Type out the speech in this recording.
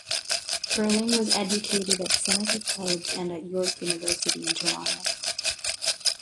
Curling was educated at Seneca College and at York University in Toronto.